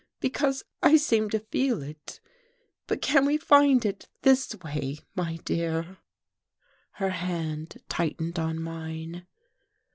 Because I seem to feel it. But can we find it this way, my dear?" Her hand tightened on mine.